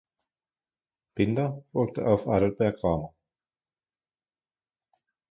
Binder folgte auf Adalbert Cramer.